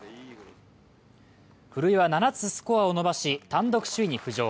古江は７つスコアを伸ばし単独首位に浮上。